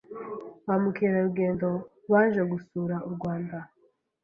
bamukerarugendo baje gusura u Rwanda